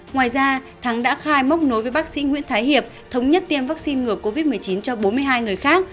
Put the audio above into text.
ngoài ra thắng đã khai móc nối với bác sĩ nguyễn thái hiệp thống nhất tiêm vaccine ngừa covid một mươi chín cho bốn mươi hai người khác